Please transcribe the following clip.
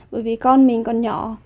bởi vì con mình còn nhỏ